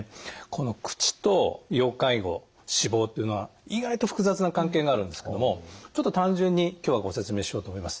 この口と要介護死亡っていうのは意外と複雑な関係があるんですけどもちょっと単純に今日はご説明しようと思います。